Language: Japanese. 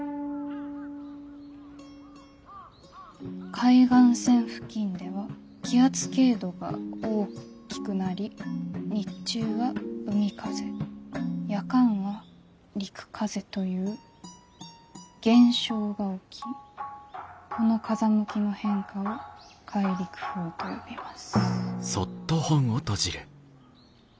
「海岸線付近では気圧傾度が大きくなり日中は海風夜間は陸風という現象が起きこの風向きの変化を海陸風と呼びます」。